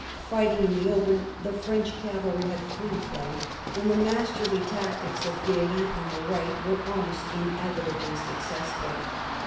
Fighting in the open the French cavalry had free play, and the masterly tactics of Guerin on the right were almost inevitably successful.